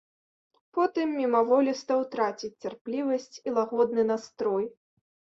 Потым мімаволі стаў траціць цярплівасць і лагодны настрой.